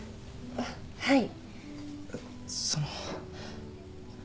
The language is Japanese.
あっはい。